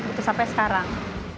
betul sampai sekarang